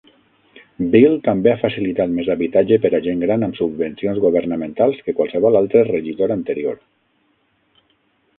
Beale també ha facilitat més habitatge per a gent gran amb subvencions governamentals que qualsevol altre regidor anterior.